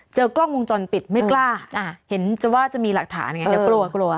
เจอกล้องวงจรปิดไม่กล้าเห็นว่าจะมีหลักฐานอย่างนี้เดี๋ยวกลัว